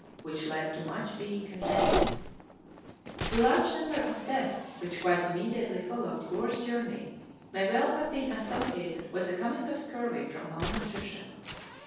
The Northwest Passage 65 large number of deaths which quite immediately fol lowed Gore's journey may well have been associated with the coming of scurvy from malnutrition.